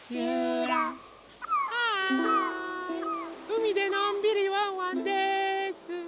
うみでのんびりワンワンです。